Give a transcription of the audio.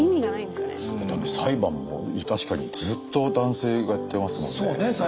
だってあの裁判も確かにずっと男性がやってますもんね。